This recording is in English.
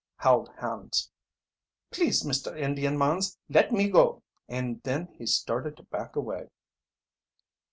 howled Hans. "Please, Mister Indian mans, let me go!" And then he started to back away.